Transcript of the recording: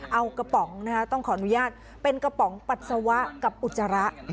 เอากระป๋องนะคะต้องขออนุญาตเป็นกระป๋องปัสสาวะกับอุจจาระ